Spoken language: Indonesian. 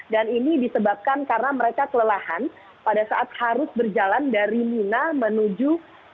dan ini disebabkan karena mereka kelelahan pada saat harus berjalan dari mina menuju ke lokasi pelontaran jumro